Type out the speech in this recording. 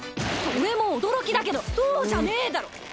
それも驚きだけどそうじゃねぇだろ。